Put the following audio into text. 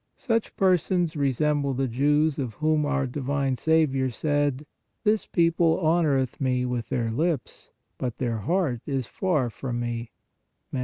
Such persons resemble the Jews of whom our 45 46 PRAYER divine Saviour said :" This people honoreth Me with their lips, but their heart is far from Me" (Mat.